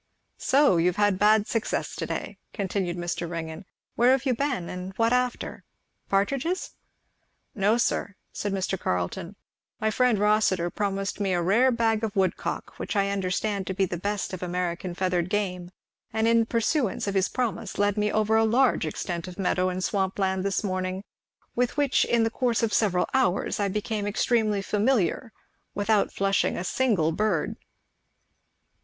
"So you've had bad success to day," continued Mr. Ringgan. "Where have you been? and what after? partridges?" "No sir," said Mr. Carleton, "my friend Rossitur promised me a rare bag of woodcock, which I understand to be the best of American feathered game; and in pursuance of his promise led me over a large extent of meadow and swamp land this morning, with which in the course of several hours I became extremely familiar, without flushing a single bird."